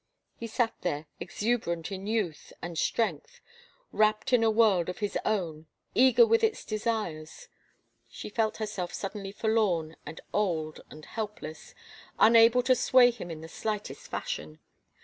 He sat there, exuberant in youth and strength, wrapt in a world of his own, eager with its desires. She felt herself suddenly forlorn and old and helpless, imable to sway him in the slightest fashion.